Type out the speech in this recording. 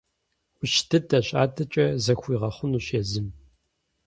Ӏущ дыдэщ, адэкӀэ зэхуигъэхъунщ езым.